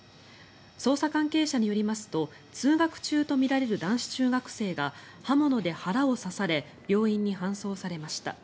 捜査関係者によりますと通学中とみられる男子中学生が刃物で腹を刺され病院に搬送されました。